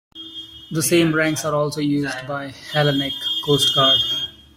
The same ranks are also used by the Hellenic Coast Guard.